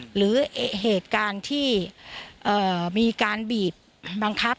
หรือเหตุการณ์ที่มีการบีบบังคับ